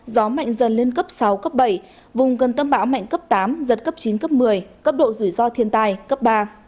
gió mạnh dần lên cấp sáu cấp bảy vùng gần tâm bão mạnh cấp tám giật cấp chín cấp một mươi cấp độ rủi ro thiên tai cấp ba